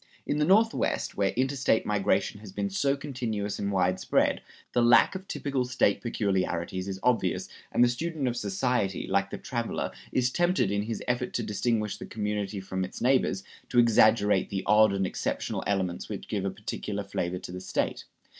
In the Northwest, where interstate migration has been so continuous and widespread, the lack of typical State peculiarities is obvious, and the student of society, like the traveler, is tempted, in his effort to distinguish the community from its neighbors, to exaggerate the odd and exceptional elements which give a particular flavor to the State.